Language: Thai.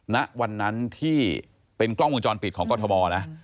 ณวันนั้นที่เป็นกล้องวงจรปิดของกรทมนะ